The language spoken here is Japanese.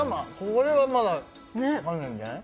これはまだわかるんじゃない？